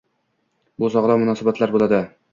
bu sog‘lom munosabatlar bo‘ladi